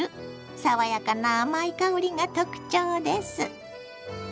爽やかな甘い香りが特徴です。